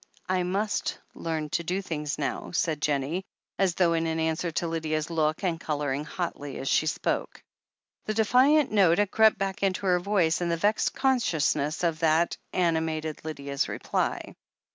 "I must learn to do things now," said Jennie, as though in answer to Lydia's look, and colouring hotly as she spoke. The defiant note had crept back into her voice, and the vexed consciousness of that animated Lydia's reply.